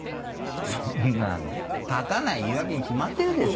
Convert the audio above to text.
そんなの描かない言い訳に決まってるでしょ。